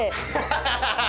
ハハハハハ！